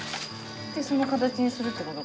その形にするってことか。